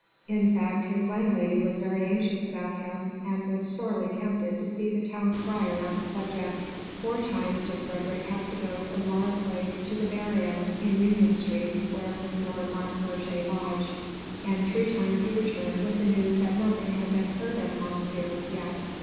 In fact his landlady was very anxious about him and was sorely tempted to see the town crier on the subject. Four times did Frédérick have to go from Laura Place to the Bear Inn in Union Street, where M. Martin Roget lodged, and three times he returned with the news that nothing had been heard of Mounzeer yet.